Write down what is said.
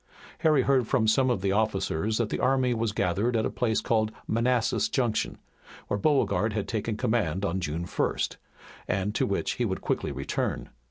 Harry heard from some of the officers that the army was gathered at a place called Manassas Junction, where Beauregard had taken command on June 1st, and to which he would quickly return.